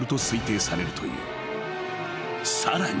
［さらに］